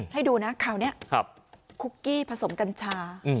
ให้ดูนะคราวนี้คุกกี้ผสมกัญชา